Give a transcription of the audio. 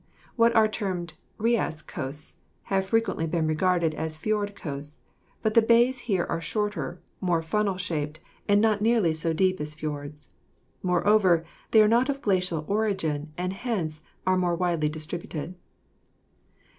What are termed Rias Coasts have frequently been regarded as fjord coasts, but the bays here are shorter, more funnel shaped and not nearly so deep as fjords. Moreover, they are not of glacial origin and hence are more widely distributed.